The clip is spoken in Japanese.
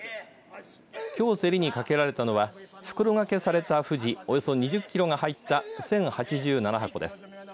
きょう競りにかけられたのは袋掛けされたふじおよそ２０キロが入った１０８７箱です。